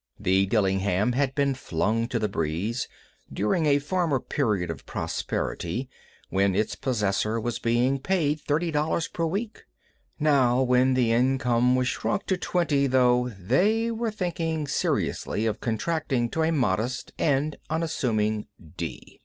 The "Dillingham" had been flung to the breeze during a former period of prosperity when its possessor was being paid $30 per week. Now, when the income was shrunk to $20, though, they were thinking seriously of contracting to a modest and unassuming D.